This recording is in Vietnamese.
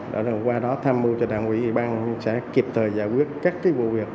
và qua đó tham mưu cho đảng quỹ thì bang cũng sẽ kịp thời giải quyết các cái vụ việc